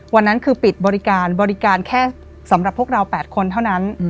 วันนั้นคือปิดบริการบริการแค่สำหรับพวกเรา๘คนเท่านั้น